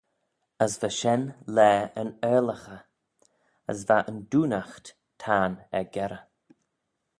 As va shen laa yn aarlaghey, as va yn doonaght tayrn er-gerrey.